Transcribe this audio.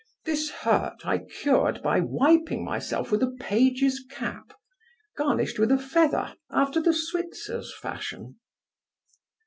This hurt I cured by wiping myself with a page's cap, garnished with a feather after the Switzers' fashion.